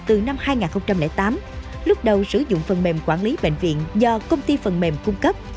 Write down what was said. từ năm hai nghìn tám lúc đầu sử dụng phần mềm quản lý bệnh viện do công ty phần mềm cung cấp